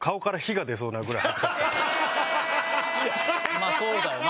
まあそうだよな。